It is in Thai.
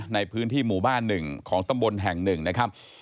ในพื้นที่หมู่บ้านหนึ่งของตำบลแห่งหนึ่งนะครับ